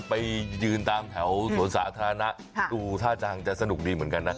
ไปยืนตามแถวสวนสาธารณะดูท่าทางจะสนุกดีเหมือนกันนะ